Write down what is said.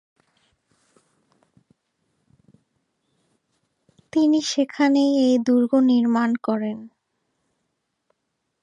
তিনি সেখানেই এই দূর্গ নির্মাণ করেন।